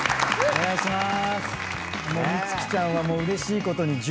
お願いしまーす。